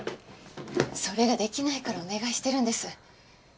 それができないからお願いしてるんです。